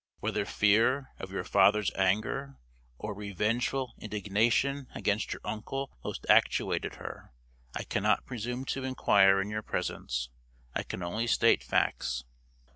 Whether fear of your father's anger, or revengeful indignation against your uncle most actuated her, I cannot presume to inquire in your presence. I can only state facts."